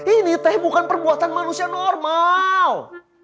ini teh bukan perbuatan manusia normal